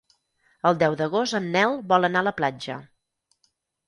El deu d'agost en Nel vol anar a la platja.